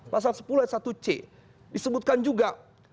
pasal sepuluh ayat satu c disebutkan juga